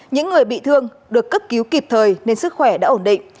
những người bị thương được cấp cứu kịp thời nên sức khỏe đã ổn định